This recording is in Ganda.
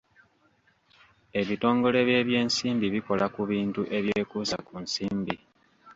Ebitongole by'ebyensimbi bikola ku bintu ebyekuusa ku nsimbi.